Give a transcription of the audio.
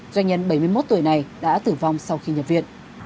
công dân này đã tử vong sau khi nhập viện